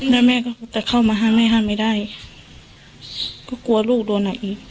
แล้วแม่ก็จะเข้ามาห้ามแม่ห้ามไม่ได้ก็กลัวลูกโดนหนักอีก